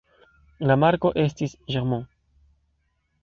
La marko estis Germain.